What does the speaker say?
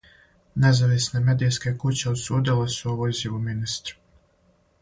Независне медијске куће осудиле су ову изјаву министра.